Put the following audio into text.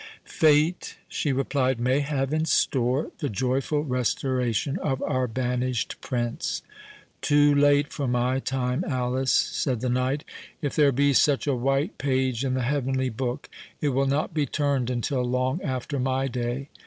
"Fate," she replied, "may have in store the joyful restoration of our banished Prince." "Too late for my time, Alice," said the knight; "if there be such a white page in the heavenly book, it will not be turned until long after my day.